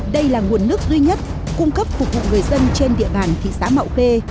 đây là nguồn nước duy nhất cung cấp phục vụ người dân trên địa bàn thị xã mạo khê